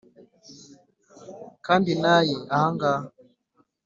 kandi naYe Aha ngaha